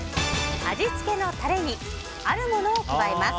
味付けのタレにあるものを加えます。